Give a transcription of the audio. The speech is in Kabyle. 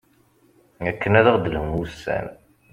akken ad aɣ-d-lhun wussan